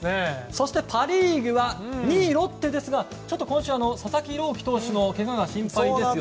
そしてパ・リーグは２位がロッテですが佐々木朗希投手のけがが心配ですよね。